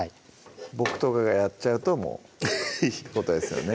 僕とかがやっちゃうともうってことですよね